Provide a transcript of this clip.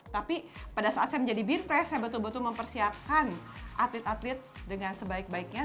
tapi pada saat saya menjadi bin press saya betul betul mempersiapkan atlet atlet dengan sebaik baiknya